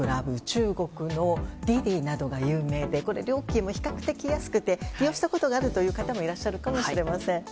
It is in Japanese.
中国のＤｉＤｉなどが有名で料金も比較的安くて利用したことがある方もいらっしゃるかもしれません。